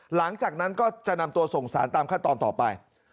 หลังจากนั้นก็จะนำตัวส่งสารตามขั้นตอนต่อไป